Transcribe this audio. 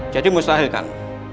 jadi mustahil kan